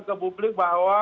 ke publik bahwa